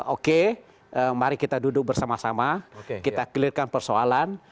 oke mari kita duduk bersama sama kita clearkan persoalan